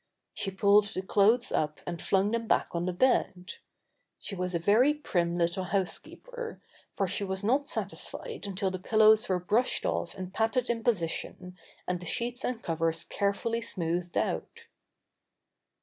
She pulled the clothes up and flung them back on the bed. She was a very prim little housekeeper, for she was not satisfied until the pillows were brushed off and patted in position and the sheets and covers carefully smoothed out.